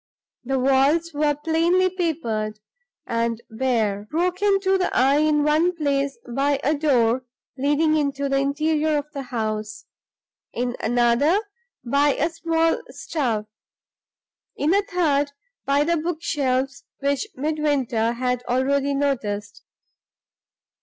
The walls were plainly papered, and bare broken to the eye in one place by a door leading into the interior of the house; in another, by a small stove; in a third, by the book shelves which Midwinter had already noticed.